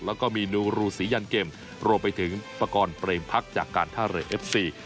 แล้วก็มีนูรูสียันเกมรวมไปถึงประกอบเปรมพักจากการท่าเรือเอฟซี